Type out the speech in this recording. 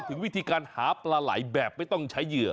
ถึงวิธีการหาปลาไหล่แบบไม่ต้องใช้เหยื่อ